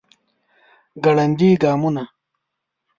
ګړندي ګامونه